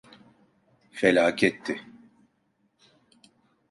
Felaketti.